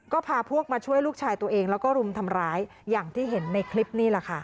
ก็พาพวกมาช่วยลูกชายตัวเองแล้วก็รุมทำร้ายอย่างที่เห็นในคลิปนี่แหละค่ะ